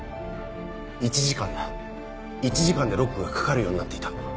１時間だ１時間でロックが掛かるようになっていた。